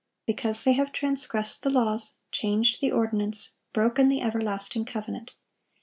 "Because they have transgressed the laws, changed the ordinance, broken the everlasting covenant.